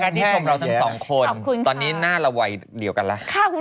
ข้าวคุณแม่อุดทิ้งอ่ะ